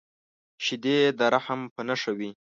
شیدې د رحم په نښه وي